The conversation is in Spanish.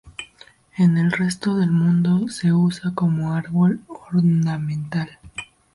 En el resto del mundo se usa como árbol ornamental.